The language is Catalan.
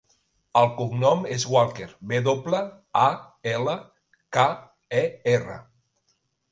El cognom és Walker: ve doble, a, ela, ca, e, erra.